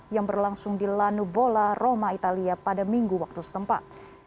yang berlangsung di lanubola roma italia pada minggu waktu setempat